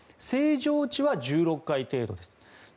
正常値は１６回程度です。